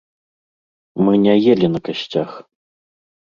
Мы не елі на касцях.